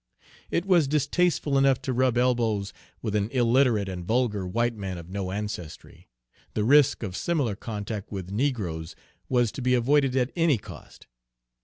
It was distasteful enough to rub elbows with an illiterate and vulgar white man of no ancestry, the risk of similar contact with negroes was to be avoided at any cost.